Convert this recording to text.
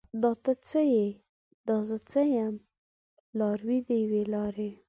دا ته څه یې؟ دا زه څه یم؟ لاروي د یوې لارې